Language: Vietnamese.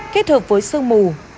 kết hợp với sương mù